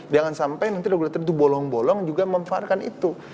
jangan sampai nanti regulator itu bolong bolong juga memanfaatkan itu